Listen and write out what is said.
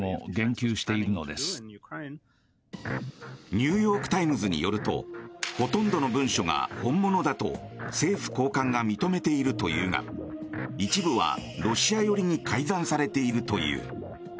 ニューヨーク・タイムズによるとほとんどの文書が本物だと政府高官が認めているというが一部はロシア寄りに改ざんされているという。